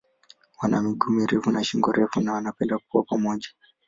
Wana miguu mirefu na shingo refu na wanapenda kuwa pamoja.